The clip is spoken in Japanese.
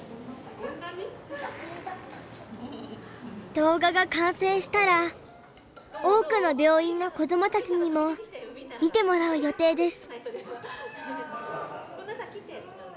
動画が完成したら多くの病院の子どもたちにも見てもらう予定です。